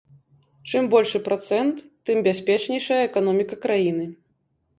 Чым большы працэнт, тым бяспечнейшая эканоміка краіны.